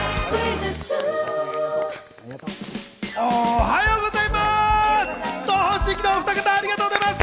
おはようございます！